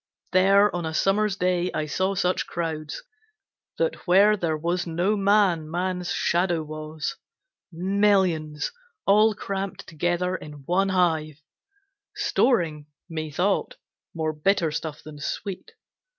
There on a summer's day I saw such crowds That where there was no man man's shadow was; Millions all cramped together in one hive, Storing, methought, more bitter stuff than sweet.